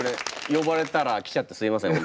呼ばれたら来ちゃってすいません